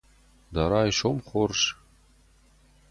Дӕ райсом хорз!